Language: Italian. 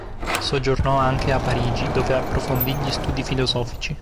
Soggiornò anche a Parigi dove approfondì gli studi filosofici.